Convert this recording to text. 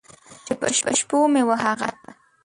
چې په شپو مې و هغه ته!